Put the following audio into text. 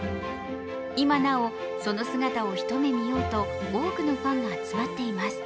今なお、その姿を一目見ようと多くのファンが集まっています。